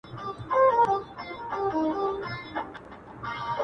هغه اولس به اخته په ویر وي -